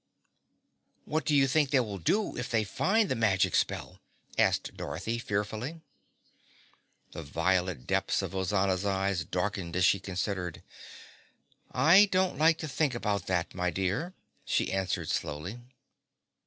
"What do you think they will do if they find the magic spell?" asked Dorothy fearfully. The violet depths of Ozana's eyes darkened as she considered. "I don't like to think about that, my dear," she answered slowly.